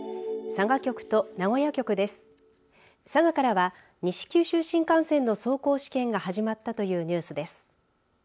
佐賀からは西九州新幹線の走行試験が始まったというニュースです。